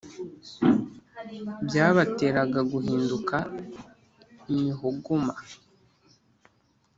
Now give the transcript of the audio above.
byabatera guhinduka imihogoma.